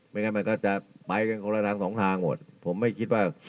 งั้นมันก็จะไปกันคนละทางสองทางหมดผมไม่คิดว่า